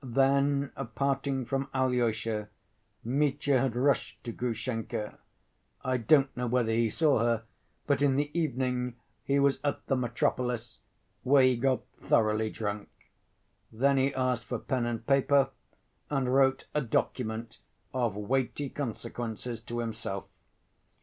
Then, parting from Alyosha, Mitya had rushed to Grushenka. I don't know whether he saw her, but in the evening he was at the "Metropolis," where he got thoroughly drunk. Then he asked for pen and paper and wrote a document of weighty consequences to himself.